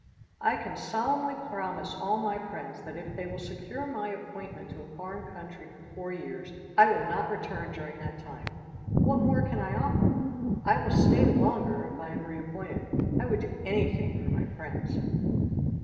I can solemnly promise all my friends that if they will secure my appointment to a foreign country for four years, I will not return during that time. What more can I offer? I will stay longer if I am reappointed. I would do anything for my friends.